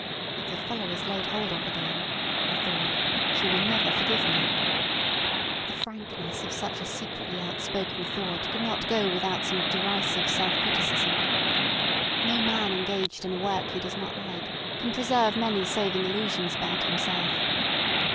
"If the fellow is laid hold of again," he thought, "she will never forgive me." The frankness of such a secretly outspoken thought could not go without some derisive self criticism. No man engaged in a work he does not like can preserve many saving illusions about himself.